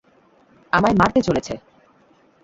আমায় মারতে চলেছে!